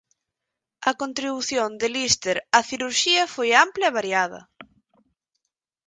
A contribución de Lister á cirurxía foi ampla e variada.